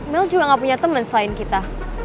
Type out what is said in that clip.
mel juga gak punya temen selain kita